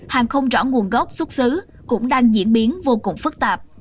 hàng không rõ nguồn gốc xuất xứ cũng đang diễn biến vô cùng phức tạp